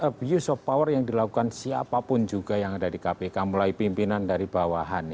abuse of power yang dilakukan siapapun juga yang ada di kpk mulai pimpinan dari bawahan